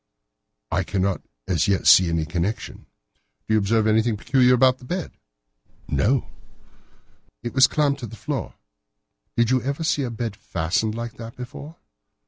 "I cannot as yet see any connection." "Did you observe anything very peculiar about that bed?" "No." "It was clamped to the floor. Did you ever see a bed fastened like that before?"